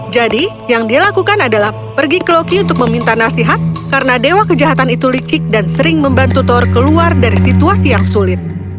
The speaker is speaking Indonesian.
jadi yang dia lakukan adalah pergi ke loki untuk meminta nasihat karena dewa kejahatan itu licik dan sering membantu thor keluar dari situasi yang sulit